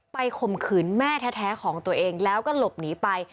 ข่มขืนแม่แท้ของตัวเองแล้วก็หลบหนีไป